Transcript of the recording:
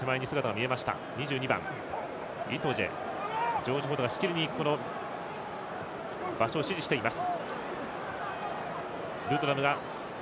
ジョージ・フォードがしきりに場所を指示しています。